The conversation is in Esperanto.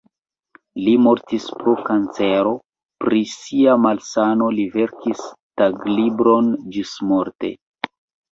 Li mortis pro kancero, pri sia malsano li verkis taglibron ĝismorte.